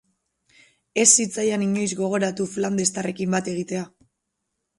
Ez zitzaian inoiz gogoratu flandestarrekin bat egitea?